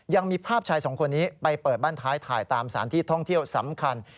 ยังมีภาพชายสองคนนี้ไปเปิดบ้านท้ายถ่ายตามสถานที่ท่องเที่ยวสำคัญ